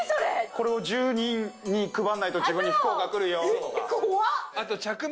これを１０人に配らないと自分に不幸がくるよとか。